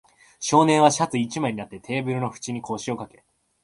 少年はシャツ一枚になって、テーブルの縁に腰をかけ、